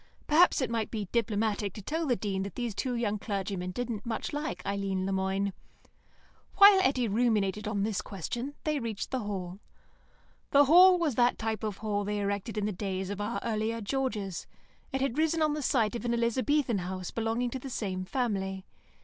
Perhaps it might be diplomatic to tell the Dean that these two young clergymen didn't much like Eileen Le Moine. While Eddy ruminated on this question, they reached the Hall. The Hall was that type of hall they erected in the days of our earlier Georges; it had risen on the site of an Elizabethan house belonging to the same family.